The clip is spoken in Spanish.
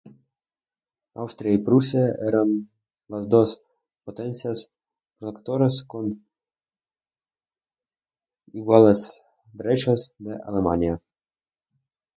Austria y Prusia eran las dos potencias protectoras, con iguales derechos, de Alemania.